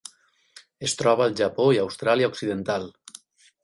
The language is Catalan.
Es troba al Japó i Austràlia Occidental.